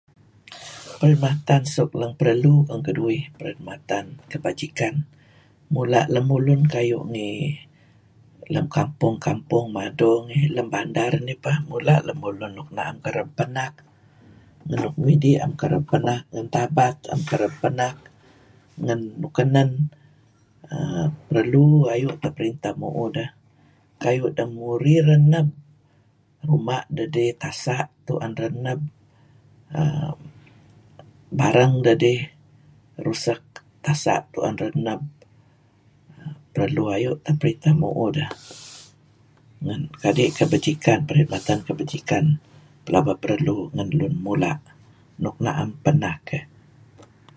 perkhidmatan suk lang perlu ngan kaduih, perkhidmatan kebajikan, mulah lamulun kayuh ngi.. lam kampung kampung mado mado ngi lam bandar nih bah, mulah lamulun nuk na'am kareb panak, nuk midih naam kareb panak, tabat naam kareb panak, ngan nukanan,[aah] perlu ayuh tah printah muuh dah kayuh dah murih ranap rumah dah dih tasah tu'an ranap[aah] barang dah dih rusak, tasak tu'an ranap. Perlu ayuh tah printah muuh dah ngan kadih jabatan kebajikan jabatan perkhidmatan perlu ngan lun mulah nuk naam panak err